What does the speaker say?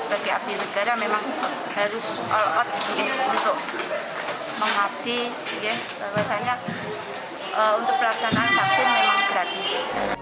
sebagai abdi negara memang harus all out untuk mengabdi bahwasannya untuk pelaksanaan vaksin memang gratis